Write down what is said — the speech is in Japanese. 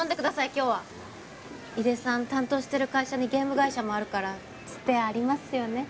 今日は井手さん担当してる会社にゲーム会社もあるからツテありますよね？